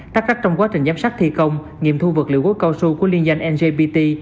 tắt rắc trong quá trình giám sát thi công nghiệm thu vật liệu gối cao su của liên danh ngbt